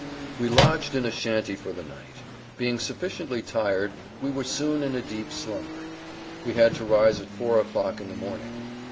We lodged in a shanty for the night. Being sufficiently tired we were soon in a deep slumber. We had to rise at four o'clock in the morning.